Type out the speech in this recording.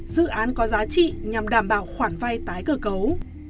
dự án có giá trị nhằm đảm bảo khoản vay tái cơ cấu